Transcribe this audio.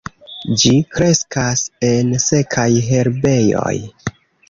Ĝi kreskas en sekaj herbejoj.